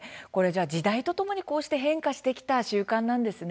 時代とともに変化してきた習慣なんですね。